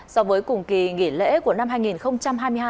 so với cùng kỳ nghỉ lễ của năm hai nghìn hai mươi hai